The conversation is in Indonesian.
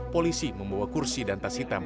polisi membawa kursi dan tas hitam